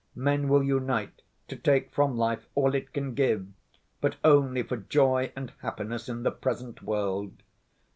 Men will unite to take from life all it can give, but only for joy and happiness in the present world.